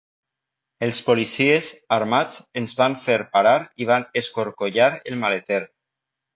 Els policies, armats, ens van fer parar i van escorcollar el maleter.